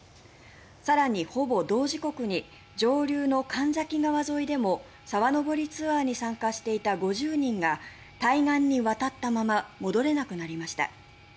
更に、ほぼ同時刻に上流の神崎川沿いでも沢登りツアーに参加していた５０人が対岸に渡ったまま戻れなくなりました。